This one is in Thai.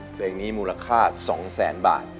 เพลงนี้มูลค่า๒แสนบาท